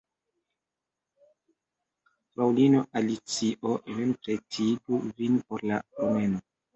Fraŭlino Alicio, venu, pretigu vin por la promeno.